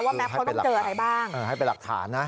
ว่าแมปเขาต้องเจออะไรบ้าง